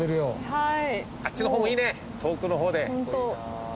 はい。